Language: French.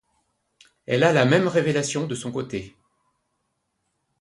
Elle a la même révélation de son côté.